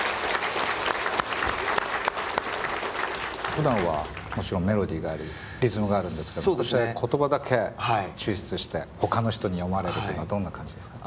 ふだんはもちろんメロディーがありリズムがあるんですけど言葉だけ抽出してほかの人に読まれるというのはどんな感じですか？